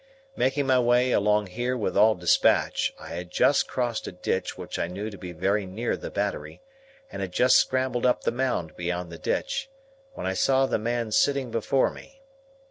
Making my way along here with all despatch, I had just crossed a ditch which I knew to be very near the Battery, and had just scrambled up the mound beyond the ditch, when I saw the man sitting before me.